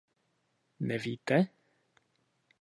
Nevíte?